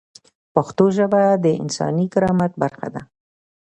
پښتو ژبه د انساني کرامت برخه ده.